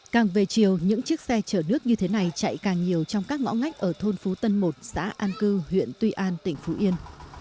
càng về chiều những chiếc xe chở nước như thế này chạy càng nhiều trong các ngõ ngách ở thôn phú tân một xã an cư huyện tuy an tỉnh phú yên